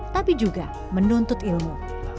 tapi juga menuntut ilmu